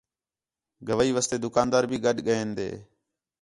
گواہی واسطے دُکاندار بھی گݙ کین ݙے